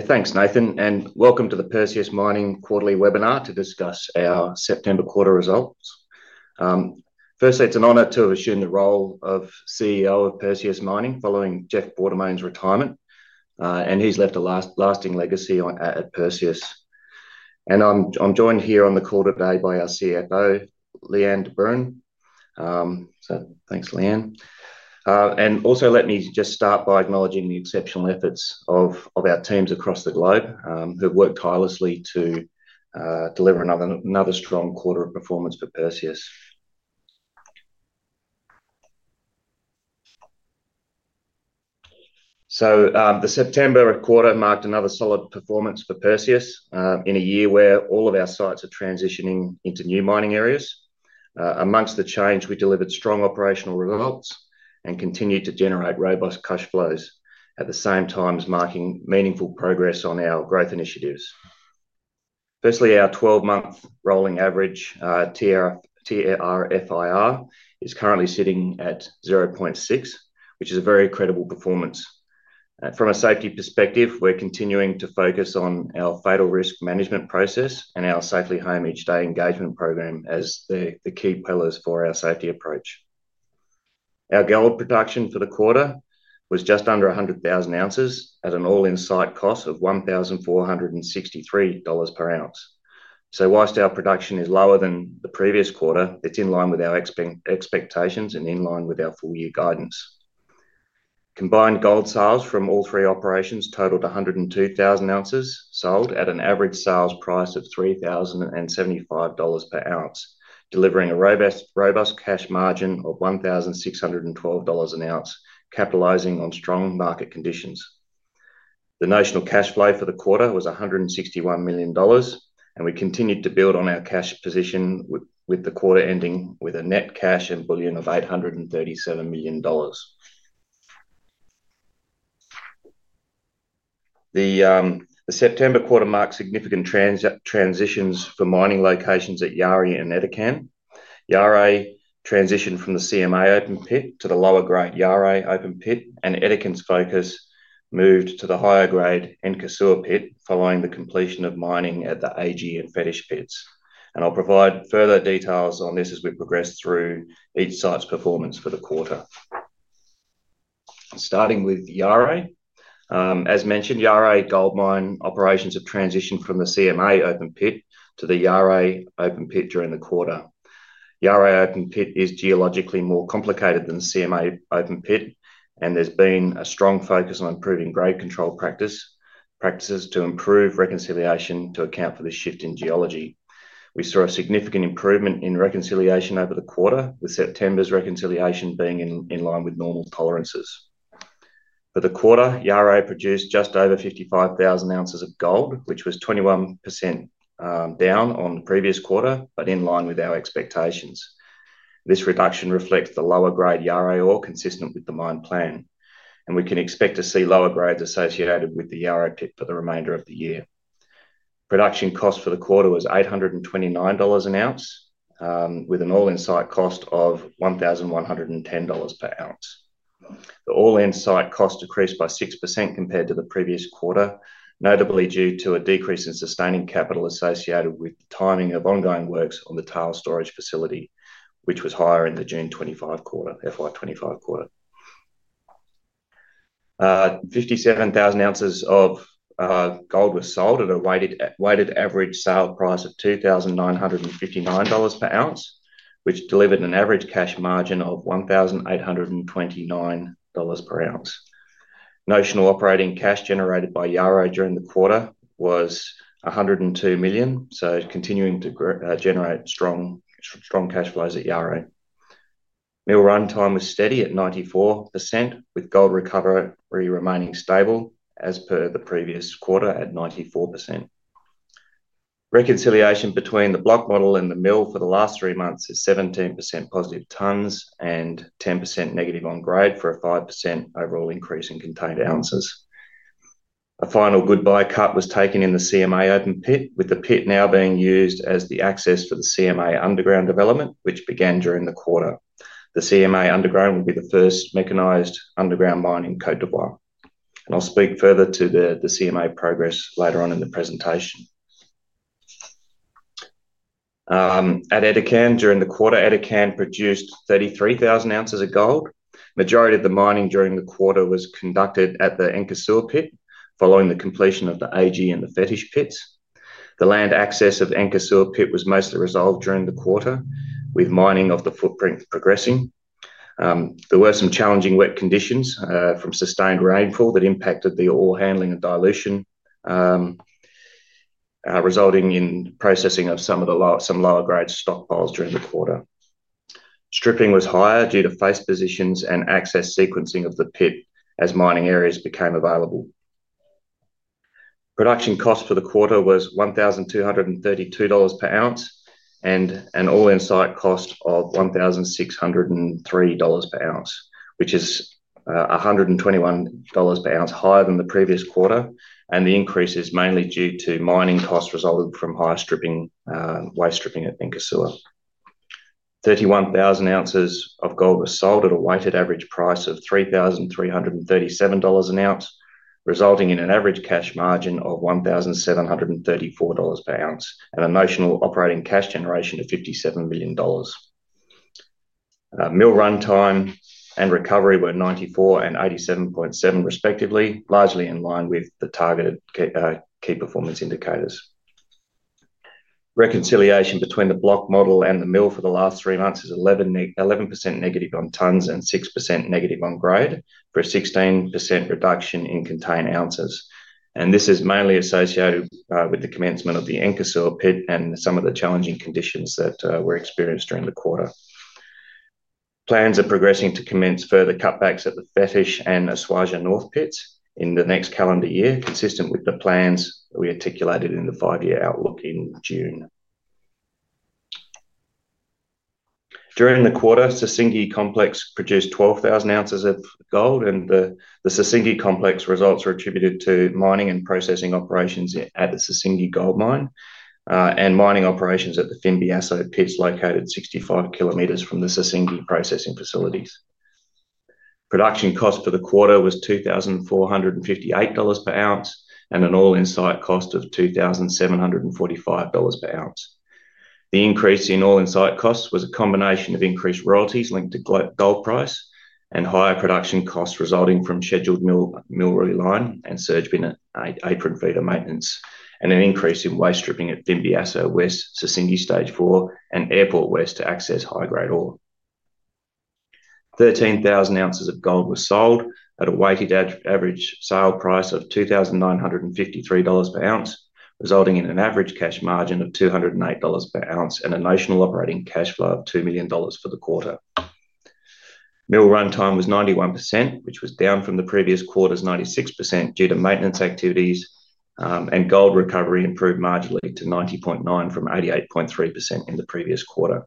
Thanks, Nathan, and welcome to the Perseus Mining quarterly webinar to discuss our September quarter results. Firstly, it's an honor to have assumed the role of CEO of Perseus Mining following Jeff Quartermaine's retirement, and he's left a lasting legacy at Perseus. I'm joined here on the call today by our CFO, Lee-Anne de Bruin. Thanks, Lee-Anne. Also, let me just start by acknowledging the exceptional efforts of our teams across the globe who have worked tirelessly to deliver another strong quarter of performance for Perseus. The September quarter marked another solid performance for Perseus in a year where all of our sites are transitioning into new mining areas. Amongst the change, we delivered strong operational results and continued to generate robust cash flows at the same time as marking meaningful progress on our growth initiatives. Firstly, our 12-month rolling average TRFIR is currently sitting at 0.6, which is a very credible performance. From a safety perspective, we're continuing to focus on our fatal risk management process and our Safely Home Each Day engagement program as the key pillars for our safety approach. Our gold production for the quarter was just under 100,000 oz at an all-in site cost of 1,463 dollars per ounce. Whilst our production is lower than the previous quarter, it's in line with our expectations and in line with our full-year guidance. Combined gold sales from all three operations totaled 102,000 oz, sold at an average sales price of 3,075 dollars per ounce, delivering a robust cash margin of 1,612 dollars an ounce, capitalizing on strong market conditions. The notional cash flow for the quarter was 161 million dollars, and we continued to build on our cash position, with the quarter ending with a net cash and bullion of 837 million dollars. The September quarter marked significant transitions for mining locations at Yaouré and Edikan. Yaouré transitioned from the CMA open pit to the lower-grade Yaouré open pit, and Edikan's focus moved to the higher-grade Nkosuo pit following the completion of mining at the AG pit and Fetish pits. I'll provide further details on this as we progress through each site's performance for the quarter. Starting with Yaouré, as mentioned, Yaouré Gold Mine operations have transitioned from the CMA open pit to the Yaouré open pit during the quarter. Yaouré open pit is geologically more complicated than the CMA open pit, and there's been a strong focus on improving grade control practices to improve reconciliation to account for the shift in geology. We saw a significant improvement in reconciliation over the quarter, with September's reconciliation being in line with normal tolerances. For the quarter, Yaouré produced just over 55,000 oz of gold, which was 21% down on the previous quarter, but in line with our expectations. This reduction reflects the lower-grade Yaouré ore, consistent with the mine plan, and we can expect to see lower grades associated with the Yaouré pit for the remainder of the year. Production cost for the quarter was 829 dollars an ounce, with an all-in site cost of 1,110 dollars per ounce. The all-in site costs increased by 6% compared to the previous quarter, notably due to a decrease in sustaining capital associated with the timing of ongoing works on the tail storage facility, which was higher in the June 2025 quarter, FY 2025 quarter. 57,000 oz of gold were sold at a weighted average sale price of 2,959 dollars per ounce, which delivered an average cash margin of 1,829 dollars per ounce. Notional operating cash generated by Yaouré during the quarter was 102 million, continuing to generate strong cash flows at Yaouré. Mill runtime was steady at 94%, with gold recovery remaining stable as per the previous quarter at 94%. Reconciliation between the block model and the mill for the last three months is 17% positive tons and 10% negative on grade for a 5% overall increase in contained oz. A final goodbye cut was taken in the CMA open pit, with the pit now being used as the access for the CMA underground development, which began during the quarter. The CMA underground will be the first mechanized underground mine in Côte d’Ivoire, and I'll speak further to the CMA progress later on in the presentation. At Edikan, during the quarter, Edikan produced 33,000 oz of gold. The majority of the mining during the quarter was conducted at the Nkosuo pit following the completion of the Agy and Fetish pits. The land access of Nkosuo pit was mostly resolved during the quarter, with mining of the footprint progressing. There were some challenging wet conditions from sustained rainfall that impacted the ore handling and dilution, resulting in processing of some lower-grade stockpiles during the quarter. Stripping was higher due to face positions and access sequencing of the pit as mining areas became available. Production cost for the quarter was 1,232 dollars per ounce and an all-in site cost of 1,603 dollars per ounce, which is 121 dollars per ounce higher than the previous quarter, and the increase is mainly due to mining costs resulting from high stripping, waste stripping at Nkosuo. 31,000 oz of gold were sold at a weighted average price of 3,337 dollars an ounce, resulting in an average cash margin of 1,734 dollars per ounce and a notional operating cash generation of 57 million dollars. Mill runtime and recovery were 94% and 87.7%, respectively, largely in line with the targeted key performance indicators. Reconciliation between the block model and the mill for the last three months is 11% negative on tons and 6% negative on grade, for a 16% reduction in contained oz. This is mainly associated with the commencement of the Nkosuo pit and some of the challenging conditions that were experienced during the quarter. Plans are progressing to commence further cutbacks at the Fetish and the Aswaja North pits in the next calendar year, consistent with the plans that we articulated in the five-year outlook in June. During the quarter, Sissingué complex produced 12,000 oz of gold, and the Sissingué complex results were attributed to mining and processing operations at the Sissingué Gold Mine and mining operations at the Fimbiasso pits located 65 km from the Sissingué processing facilities. Production cost for the quarter was 2,458 dollars per ounce and an all-in site cost of 2,745 dollars per ounce. The increase in all-in site costs was a combination of increased royalties linked to gold price and higher production costs resulting from scheduled mill reline and surge bin apron feeder maintenance, and an increase in waste stripping at Fimbiasso West Sissingué stage four and Airport West to access high-grade ore. 13,000 oz of gold were sold at a weighted average sale price of 2,953 dollars per ounce, resulting in an average cash margin of 208 dollars per ounce and a notional operating cash flow of 2 million dollars for the quarter. Mill runtime was 91%, which was down from the previous quarter's 96% due to maintenance activities, and gold recovery improved marginally to 90.9% from 88.3% in the previous quarter.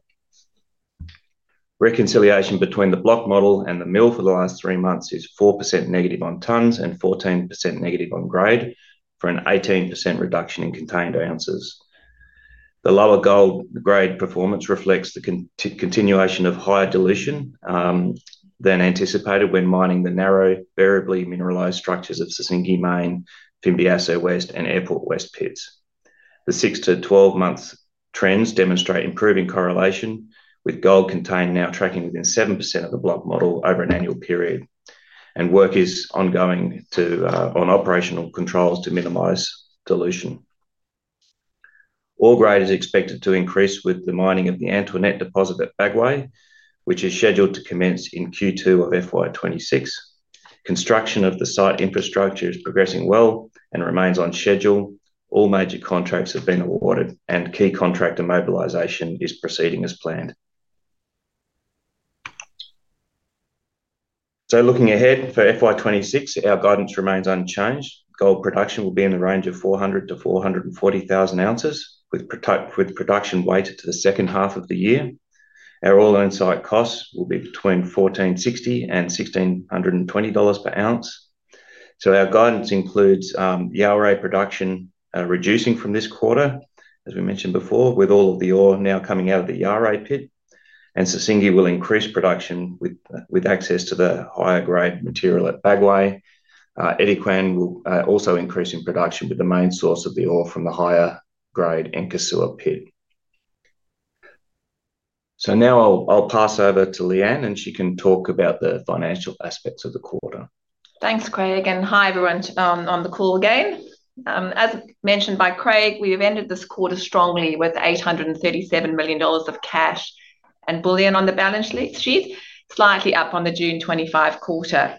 Reconciliation between the block model and the mill for the last three months is 4% negative on tons and 14% negative on grade, for an 18% reduction in contained oz. The lower gold grade performance reflects the continuation of higher dilution than anticipated when mining the narrow, variably mineralized structures of Sissingué Main, Fimbiasso West, and Airport West pits. The 6 to 12-month trends demonstrate improving correlation, with gold contained now tracking within 7% of the block model over an annual period, and work is ongoing on operational controls to minimize dilution. Ore grade is expected to increase with the mining of the Antoinette deposit at Bagoé, which is scheduled to commence in Q2 of FY 2026. Construction of the site infrastructure is progressing well and remains on schedule. All major contracts have been awarded, and key contractor mobilization is proceeding as planned. Looking ahead for FY 2026, our guidance remains unchanged. Gold production will be in the range of 400,000 oz-440,000 oz, with production weighted to the second half of the year. Our all-in site costs will be between 1,460 and 1,620 dollars per ounce. Our guidance includes Yaouré production reducing from this quarter, as we mentioned before, with all of the ore now coming out of the Yaouré pit, and Sissingué will increase production with access to the higher-grade material at Bagoé. Edikan will also increase in production with the main source of the ore from the higher-grade Nkosuo pit. Now, I'll pass over to Lee-Anne, and she can talk about the financial aspects of the quarter. Thanks, Craig. Hi, everyone, on the call again. As mentioned by Craig, we have ended this quarter strongly with 837 million dollars of cash and bullion on the balance sheet, slightly up on the June 2025 quarter.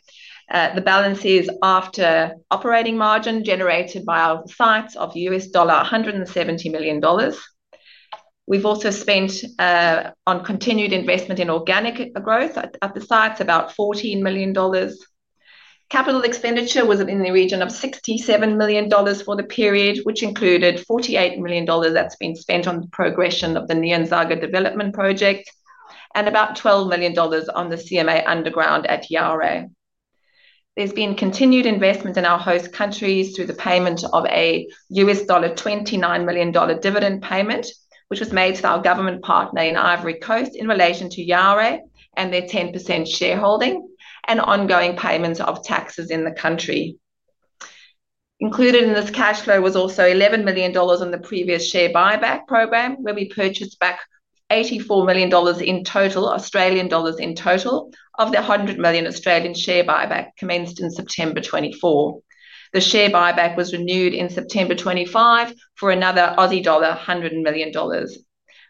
The balance is after operating margin generated by our sites of $170 million. We've also spent on continued investment in organic growth at the sites, about AUD 14 million. Capital expenditure was in the region of AUD 67 million for the period, which included AUD 48 million that's been spent on the progression of the Nyanzaga Gold Project and about AUD 12 million on the CMA underground at Yaouré. There's been continued investment in our host countries through the payment of a $29 million dividend payment, which was made to our government partner in Côte d’Ivoire in relation to Yaouré and their 10% shareholding and ongoing payments of taxes in the country. Included in this cash flow was also 11 million dollars on the previous share buyback program, where we purchased back 84 million dollars in total, Australian dollars in total, of the 100 million Australian share buyback commenced in September 2024. The share buyback was renewed in September 2025 for another Aussie dollar 100 million.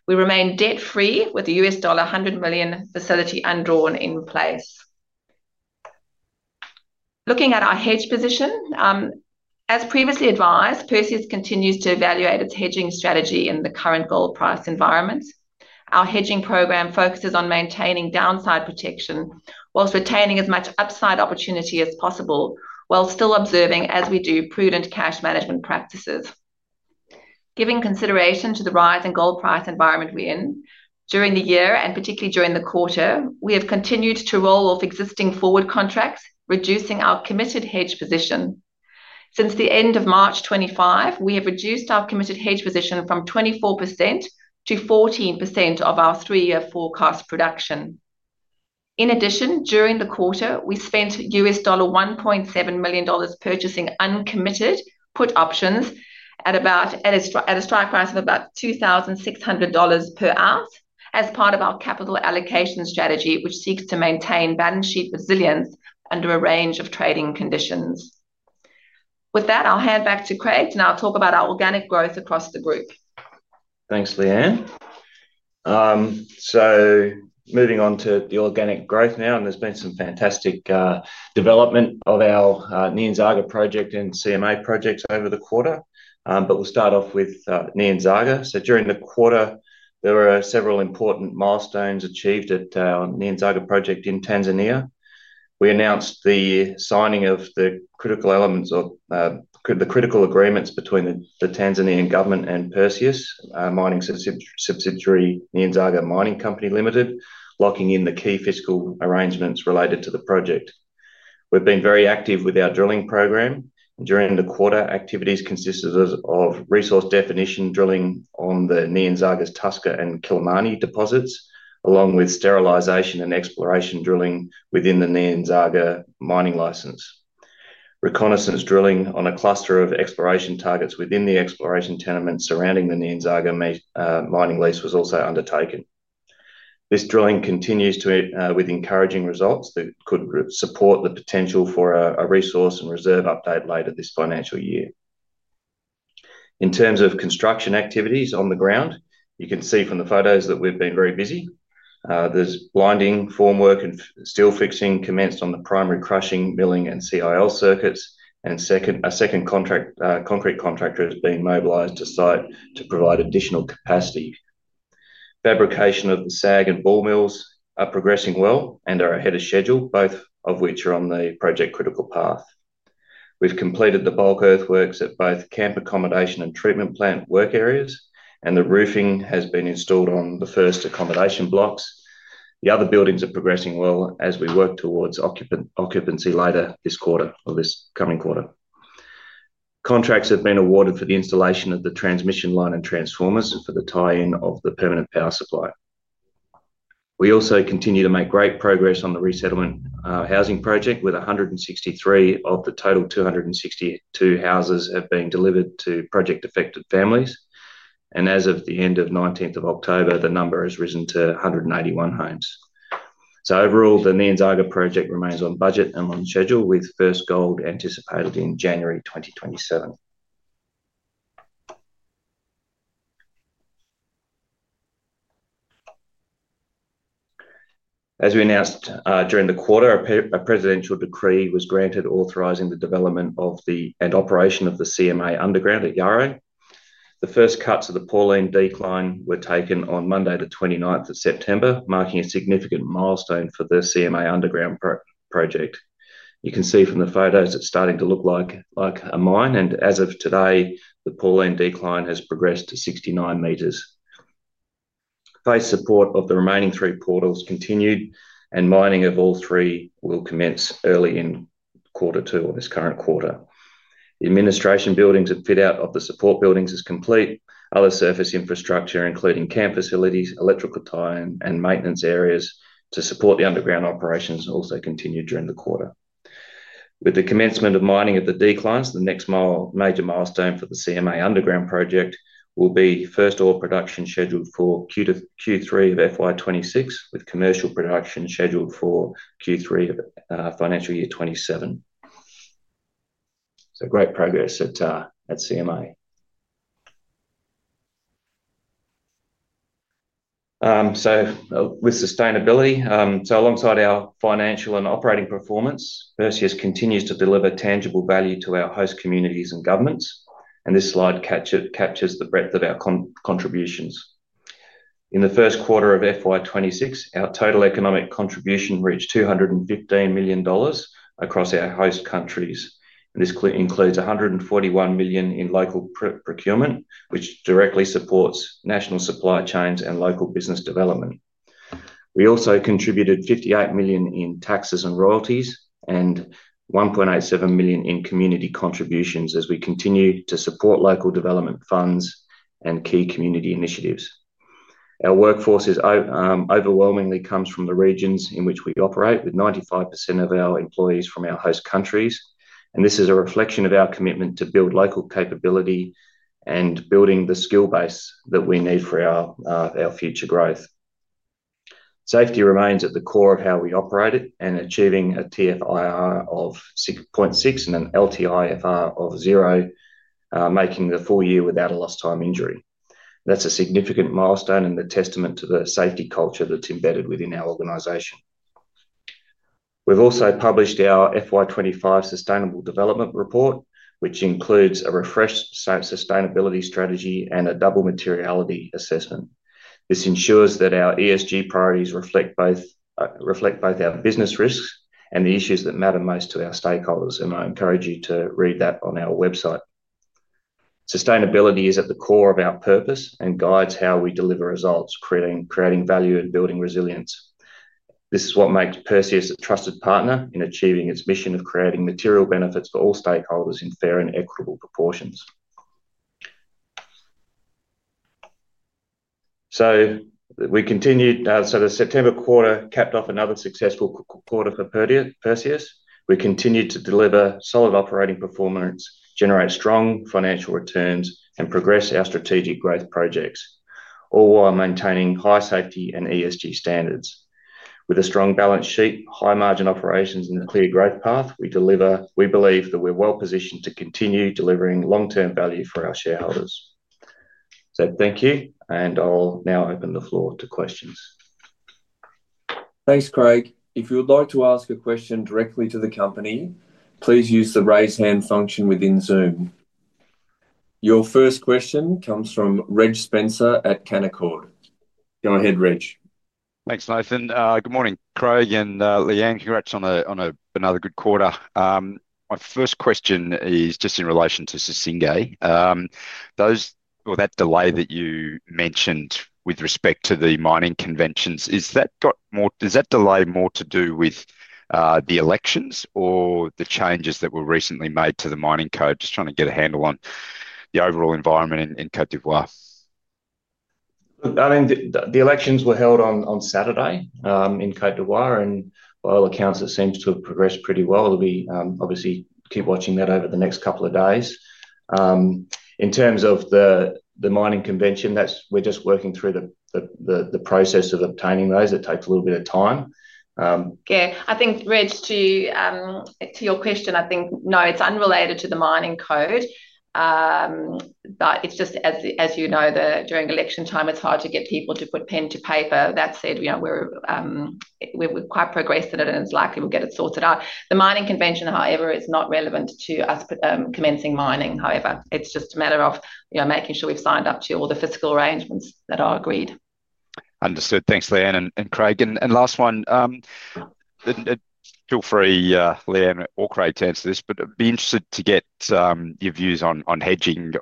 We remain debt-free with the AUD 100 million facility undrawn in place. Looking at our hedge position, as previously advised, Perseus continues to evaluate its hedging strategy in the current gold price environment. Our hedging program focuses on maintaining downside protection whilst retaining as much upside opportunity as possible, while still observing, as we do, prudent cash management practices. Giving consideration to the rise in gold price environment we're in during the year, and particularly during the quarter, we have continued to roll off existing forward contracts, reducing our committed hedge position. Since the end of March 2025, we have reduced our committed hedge position from 24% to 14% of our three-year forecast production. In addition, during the quarter, we spent $1.7 million purchasing uncommitted put options at a strike price of about 2,600 dollars per ounce as part of our capital allocation strategy, which seeks to maintain balance sheet resilience under a range of trading conditions. With that, I'll hand back to Craig, and I'll talk about our organic growth across the group. Thanks, Lee-Anne. Moving on to the organic growth now, and there's been some fantastic development of our Nyanzaga project and CMA projects over the quarter, but we'll start off with Nyanzaga. During the quarter, there were several important milestones achieved at our Nyanzaga project in Tanzania. We announced the signing of the critical elements of the critical agreements between the Tanzanian government and Perseus Mining subsidiary Nyanzaga Mining Company Limited, locking in the key fiscal arrangements related to the project. We've been very active with our drilling program, and during the quarter, activities consisted of resource definition drilling on the Nyanzaga's Tuska and Kilimani deposits, along with sterilization and exploration drilling within the Nyanzaga mining license. Reconnaissance drilling on a cluster of exploration targets within the exploration tenement surrounding the Nyanzaga mining lease was also undertaken. This drilling continues with encouraging results that could support the potential for a resource and reserve update later this financial year. In terms of construction activities on the ground, you can see from the photos that we've been very busy. There's blinding formwork and steel fixing commenced on the primary crushing, milling, and CIL circuits, and a second concrete contractor has been mobilized to site to provide additional capacity. Fabrication of the SAG and ball mills are progressing well and are ahead of schedule, both of which are on the project critical path. We've completed the bulk earthworks at both camp accommodation and treatment plant work areas, and the roofing has been installed on the first accommodation blocks. The other buildings are progressing well as we work towards occupancy later this quarter or this coming quarter. Contracts have been awarded for the installation of the transmission line and transformers and for the tie-in of the permanent power supply. We also continue to make great progress on the resettlement housing project, with 163 of the total 262 houses have been delivered to project-affected families, and as of the end of October 19, the number has risen to 181 homes. Overall, the Nyanzaga project remains on budget and on schedule, with first gold anticipated in January 2027. As we announced during the quarter, a presidential decree was granted authorizing the development and operation of the CMA underground at Yaouré. The first cuts of the Pauline decline were taken on Monday, the 29th of September, marking a significant milestone for the CMA underground project. You can see from the photos it's starting to look like a mine, and as of today, the Pauline decline has progressed to 69 m. Face support of the remaining three portals continued, and mining of all three will commence early in quarter two of this current quarter. The administration buildings and fit-out of the support buildings is complete. Other surface infrastructure, including camp facilities, electrical tie-in, and maintenance areas to support the underground operations also continued during the quarter. With the commencement of mining of the declines, the next major milestone for the CMA underground project will be first ore production scheduled for Q3 of FY 2026, with commercial production scheduled for Q3 of financial year 2027. Great progress at CMA. With sustainability, alongside our financial and operating performance, Perseus continues to deliver tangible value to our host communities and governments, and this slide captures the breadth of our contributions. In the first quarter of FY 2026, our total economic contribution reached 215 million dollars across our host countries, and this includes 121 million in local procurement, which directly supports national supply chains and local business development. We also contributed 58 million in taxes and royalties and 1.87 million in community contributions as we continue to support local development funds and key community initiatives. Our workforce overwhelmingly comes from the regions in which we operate, with 95% of our employees from our host countries, and this is a reflection of our commitment to build local capability and building the skill base that we need for our future growth. Safety remains at the core of how we operate, and achieving a TFIR of 6.6 and an LTIFR of zero, making the full year without a lost time injury. That's a significant milestone and a testament to the safety culture that's embedded within our organization. We've also published our FY 2025 sustainable development report, which includes a refreshed sustainability strategy and a double materiality assessment. This ensures that our ESG priorities reflect both our business risks and the issues that matter most to our stakeholders, and I encourage you to read that on our website. Sustainability is at the core of our purpose and guides how we deliver results, creating value and building resilience. This is what makes Perseus a trusted partner in achieving its mission of creating material benefits for all stakeholders in fair and equitable proportions. The September quarter capped off another successful quarter for Perseus. We continued to deliver solid operating performance, generate strong financial returns, and progress our strategic growth projects, all while maintaining high safety and ESG standards. With a strong balance sheet, high margin operations, and a clear growth path, we believe that we're well positioned to continue delivering long-term value for our shareholders. Thank you, and I'll now open the floor to questions. Thanks, Craig. If you would like to ask a question directly to the company, please use the raise hand function within Zoom. Your first question comes from Reg Spencer at Canaccord. Go ahead, Reg. Thanks, Nathan. Good morning, Craig and Lee-Anne. Congrats on another good quarter. My first question is just in relation to Sissingué. That delay that you mentioned with respect to the mining conventions, is that delay more to do with the elections or the changes that were recently made to the mining code? Just trying to get a handle on the overall environment in Côte d’Ivoire. The elections were held on Saturday in Côte d’Ivoire, and by all accounts, it seems to have progressed pretty well. We'll obviously keep watching that over the next couple of days. In terms of the mining convention, we're just working through the process of obtaining those. It takes a little bit of time. I think, Reg, to your question, no, it's unrelated to the mining code, but it's just, as you know, during election time, it's hard to get people to put pen to paper. That said, we're quite progressed in it, and it's likely we'll get it sorted out. The mining convention, however, is not relevant to us commencing mining. It's just a matter of making sure we've signed up to all the fiscal arrangements that are agreed. Understood. Thanks, Lee-Anne and Craig. Last one, feel free, Lee-Anne or Craig, to answer this, but I'd be interested to get your views on hedging.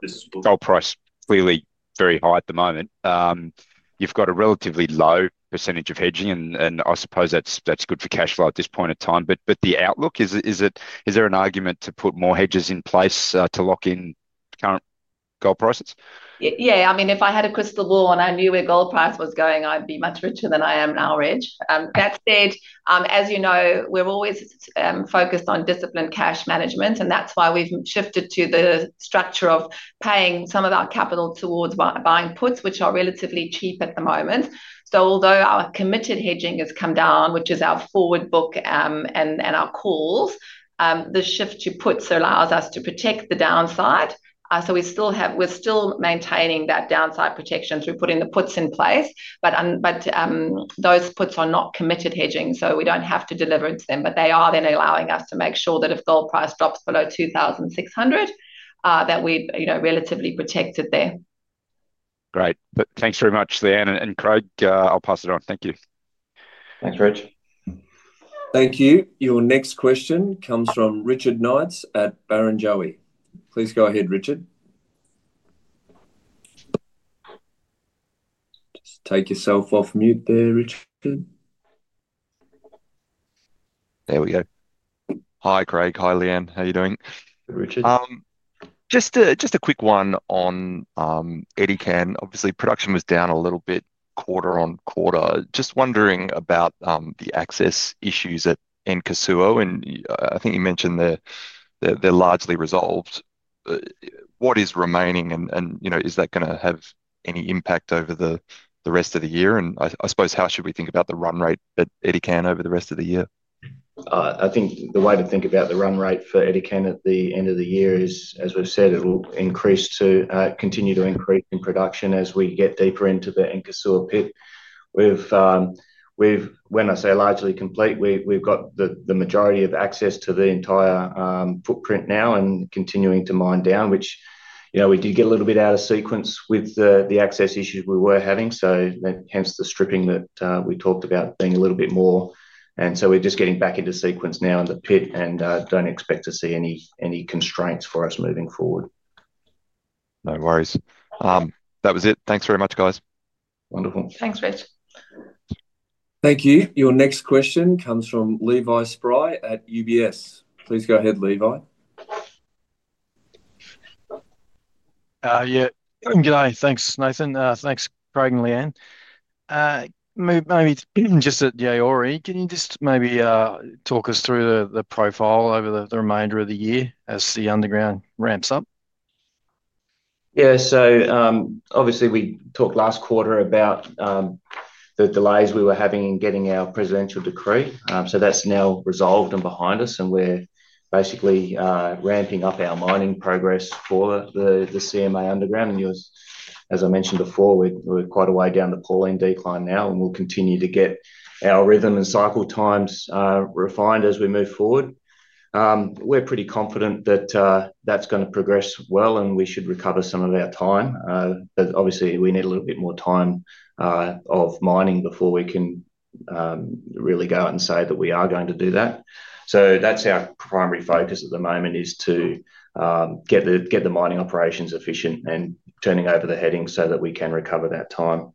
Gold price is clearly very high at the moment. You've got a relatively low % of hedging, and I suppose that's good for cash flow at this point in time, but the outlook, is there an argument to put more hedges in place to lock in current gold prices? Yeah, I mean, if I had a crystal ball and I knew where gold price was going, I'd be much richer than I am now, Reg. That said, as you know, we're always focused on disciplined cash management, and that's why we've shifted to the structure of paying some of our capital towards buying puts, which are relatively cheap at the moment. Although our committed hedging has come down, which is our forward book and our calls, the shift to puts allows us to protect the downside. We're still maintaining that downside protection through putting the puts in place, but those puts are not committed hedging, so we don't have to deliver to them, but they are then allowing us to make sure that if gold price drops below 2,600, that we're relatively protected there. Great. Thanks very much, Lee-Anne and Craig. I'll pass it on. Thank you. Thanks, Reg. Thank you. Your next question comes from Richard Knights at Barrenjoey. Please go ahead, Richard. Just take yourself off mute there, Richard. There we go. Hi, Craig. Hi, Lee-Anne. How are you doing? Good, Richard. Just a quick one on Edikan. Obviously, production was down a little bit quarter on quarter. Just wondering about the access issues at Nkosuo, and I think you mentioned they're largely resolved. What is remaining, and is that going to have any impact over the rest of the year? I suppose, how should we think about the run rate at Edikan over the rest of the year? I think the way to think about the run rate for Edikan at the end of the year is, as we've said, it will continue to increase in production as we get deeper into the Nkosuo pit. When I say largely complete, we've got the majority of access to the entire footprint now and continuing to mine down, which we did get a little bit out of sequence with the access issues we were having, so hence the stripping that we talked about being a little bit more. We're just getting back into sequence now in the pit, and I don't expect to see any constraints for us moving forward. No worries. That was it. Thanks very much, guys. Wonderful. Thanks, Reg. Thank you. Your next question comes from Levi Spry at UBS. Please go ahead, Levi. Good day, thanks, Nathan. Thanks, Craig and Lee-Anne. Maybe just at Yaouré, can you just maybe talk us through the profile over the remainder of the year as the underground ramps up? Yeah, obviously, we talked last quarter about the delays we were having in getting our presidential decree, so that's now resolved and behind us, and we're basically ramping up our mining progress for the CMA underground. As I mentioned before, we're quite a way down the Pauline decline now, and we'll continue to get our rhythm and cycle times refined as we move forward. We're pretty confident that that's going to progress well, and we should recover some of our time. Obviously, we need a little bit more time of mining before we can really go out and say that we are going to do that. That's our primary focus at the moment, to get the mining operations efficient and turning over the headings so that we can recover that time.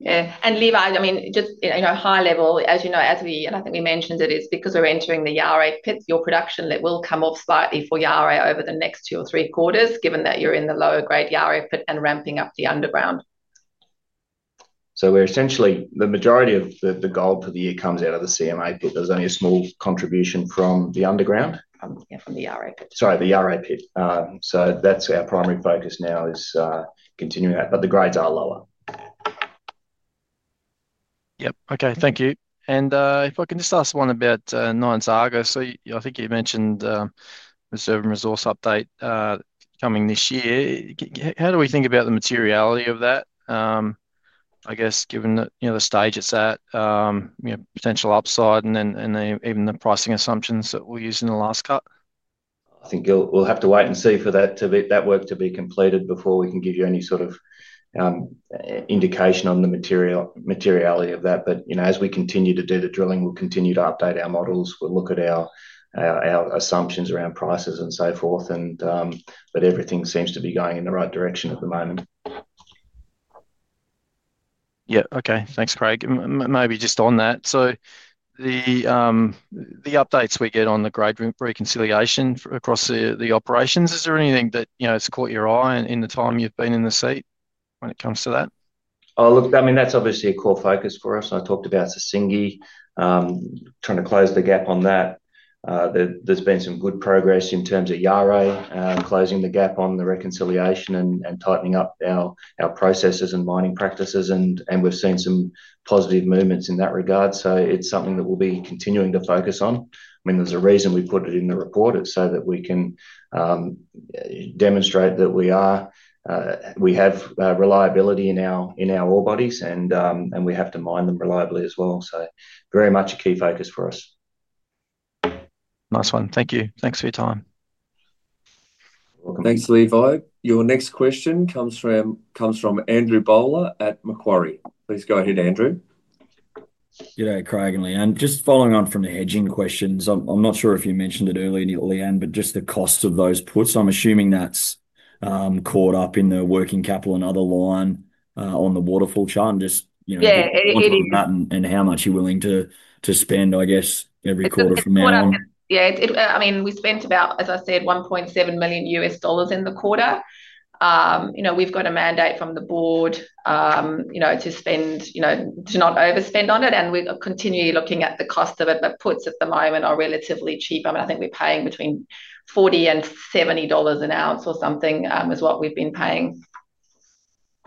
Yeah, and Levi, I mean, just high level, as you know, and I think we mentioned it, is because we're entering the Yaouré pit, your production will come off slightly for Yaouré over the next two or three quarters, given that you're in the lower-grade Yaouré pit and ramping up the underground. Essentially, the majority of the gold for the year comes out of the CMA pit. There's only a small contribution from the underground. Yeah, from the Yaouré pit. Sorry, the Yaouré pit. That's our primary focus now, is continuing that, but the grades are lower. Yep, okay, thank you. If I can just ask one about Nyanzaga, I think you mentioned the reserve and resource update coming this year. How do we think about the materiality of that, I guess, given the stage it's at, potential upside, and even the pricing assumptions that we'll use in the last cut? I think we'll have to wait and see for that work to be completed before we can give you any sort of indication on the materiality of that. As we continue to do the drilling, we'll continue to update our models. We'll look at our assumptions around prices and so forth, but everything seems to be going in the right direction at the moment. Yeah, okay, thanks, Craig. Maybe just on that, the updates we get on the grade reconciliation across the operations, is there anything that's caught your eye in the time you've been in the seat when it comes to that? I mean, that's obviously a core focus for us. I talked about Sissingué, trying to close the gap on that. There's been some good progress in terms of Yaouré closing the gap on the reconciliation and tightening up our processes and mining practices, and we've seen some positive movements in that regard. It's something that we'll be continuing to focus on. I mean, there's a reason we put it in the report, it's so that we can demonstrate that we have reliability in our ore bodies, and we have to mine them reliably as well. Very much a key focus for us. Nice one. Thank you. Thanks for your time. Thanks, Levi. Your next question comes from Andrew Bowler at Macquarie. Please go ahead, Andrew. Good day, Craig and Lee-Anne. Just following on from the hedging questions, I'm not sure if you mentioned it earlier, Lee-Anne, but just the cost of those puts, I'm assuming that's caught up in the working capital and other line on the waterfall chart. Yeah, it is. How much you're willing to spend, I guess, every quarter from now on? Yeah, I mean, we spent about, as I said, $1.7 million in the quarter. We've got a mandate from the board to not overspend on it, and we're continually looking at the cost of it, but puts at the moment are relatively cheap. I think we're paying between 40 and 70 dollars an ounce or something is what we've been paying.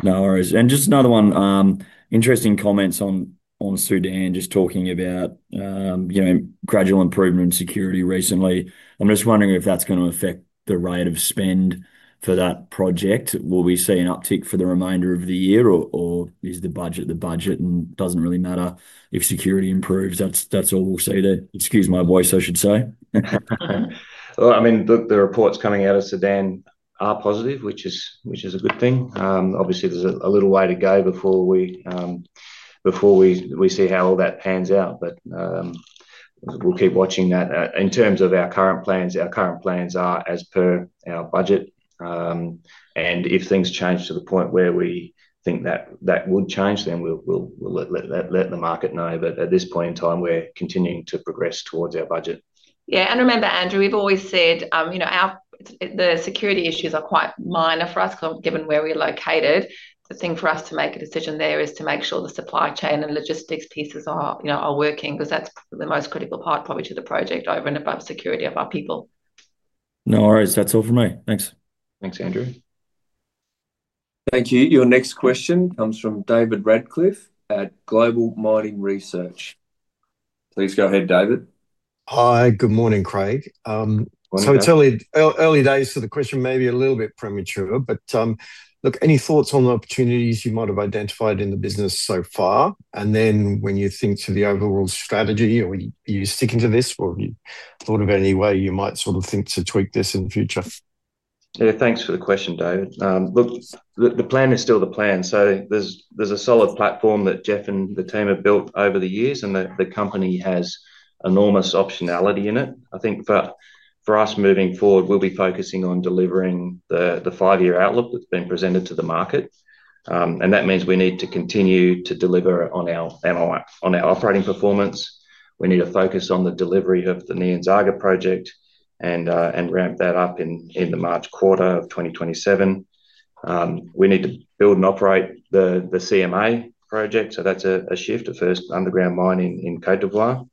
No worries. Just another one, interesting comments on Sudan, just talking about gradual improvement in security recently. I'm just wondering if that's going to affect the rate of spend for that project. Will we see an uptick for the remainder of the year, or is the budget the budget and doesn't really matter if security improves? That's all we'll see there. Excuse my voice, I should say. The reports coming out of Sudan are positive, which is a good thing. Obviously, there's a little way to go before we see how all that pans out, but we'll keep watching that. In terms of our current plans, our current plans are as per our budget, and if things change to the point where we think that would change, then we'll let the market know, but at this point in time, we're continuing to progress towards our budget. Yeah, and remember, Andrew, we've always said the security issues are quite minor for us, given where we're located. The thing for us to make a decision there is to make sure the supply chain and logistics pieces are working, because that's the most critical part, probably, to the project over and above security of our people. No worries. That's all for me. Thanks. Thanks, Andrew. Thank you. Your next question comes from David Radcliffe at Global Mining Research. Please go ahead, David. Hi, good morning, Craig. Early days for the question, maybe a little bit premature, but look, any thoughts on the opportunities you might have identified in the business so far? When you think to the overall strategy, are you sticking to this, or have you thought of any way you might sort of think to tweak this in the future? Yeah, thanks for the question, David. Look, the plan is still the plan. There's a solid platform that Jeff and the team have built over the years, and the company has enormous optionality in it. I think for us moving forward, we'll be focusing on delivering the five-year outlook that's been presented to the market, and that means we need to continue to deliver on our operating performance. We need to focus on the delivery of the Nyanzaga Gold Project and ramp that up in the March quarter of 2027. We need to build and operate the CMA underground development, so that's a shift at our first underground mine in Côte d’Ivoire,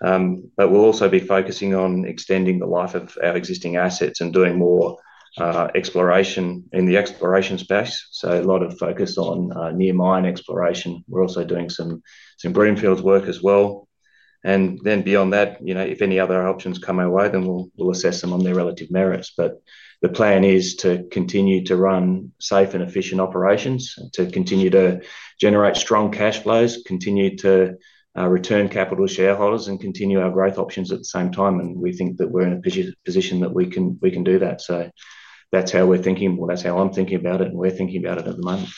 but we'll also be focusing on extending the life of our existing assets and doing more exploration in the exploration space, so a lot of focus on near mine exploration. We're also doing some greenfields work as well. If any other options come our way, then we'll assess them on their relative merits, but the plan is to continue to run safe and efficient operations, to continue to generate strong cash flows, continue to return capital to shareholders, and continue our growth options at the same time. We think that we're in a position that we can do that. That's how I'm thinking about it, and we're thinking about it at the moment.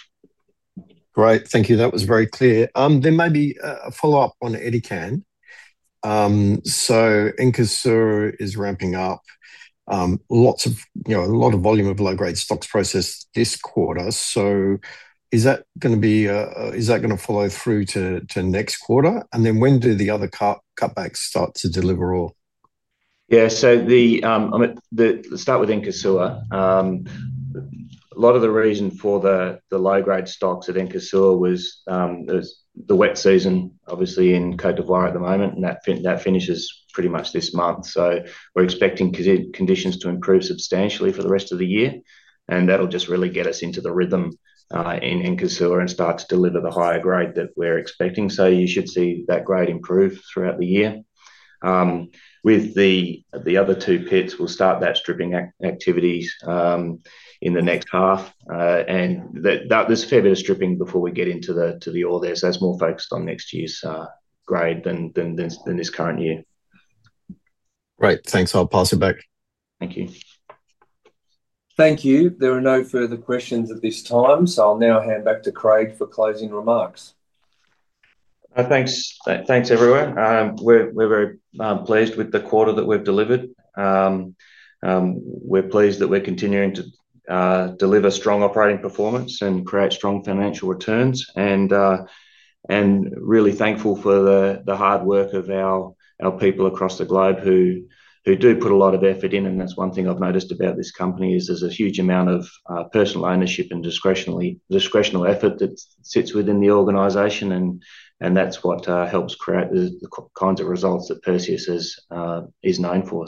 Great, thank you. That was very clear. Maybe a follow-up on Edikan. Nkosuo is ramping up a lot of volume of low-grade stocks processed this quarter. Is that going to follow through to next quarter? When do the other cutbacks start to deliver ore? Yeah, let's start with Nkosuo. A lot of the reason for the low-grade stocks at Nkosuo was the wet season, obviously, in Côte d’Ivoire at the moment, and that finishes pretty much this month. We're expecting conditions to improve substantially for the rest of the year, and that'll just really get us into the rhythm in Nkosuo and start to deliver the higher grade that we're expecting. You should see that grade improve throughout the year. With the other two pits, we'll start that stripping activities in the next half, and there's a fair bit of stripping before we get into the ore there, so that's more focused on next year's grade than this current year. Great, thanks. I'll pass it back. Thank you. Thank you. There are no further questions at this time, so I'll now hand back to Craig for closing remarks. Thanks, everyone. We're very pleased with the quarter that we've delivered. We're pleased that we're continuing to deliver strong operating performance and create strong financial returns, and really thankful for the hard work of our people across the globe who do put a lot of effort in. That's one thing I've noticed about this company, is there's a huge amount of personal ownership and discretional effort that sits within the organization, and that's what helps create the kinds of results that Perseus is known for.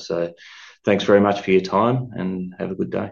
Thanks very much for your time, and have a good day.